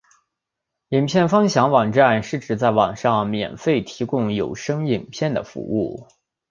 影片分享网站是指在网上免费提供有声影片的服务。